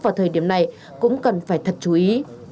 vào thời điểm này cũng cần phải thật chú ý